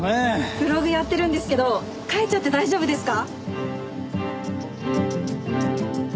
ブログやってるんですけど書いちゃって大丈夫ですか？